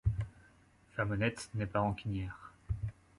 Femme honnête n'est pas rancunière.